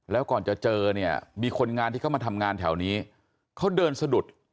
แล้วก่อนจะเจอเนี่ยมีคนงานที่เขามาทำงานแถวนี้เขาเดินสะดุด